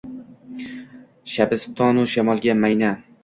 Shabiston-u shamolga mayna.